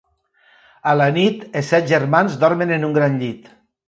A la nit, els set germans dormen en un gran llit.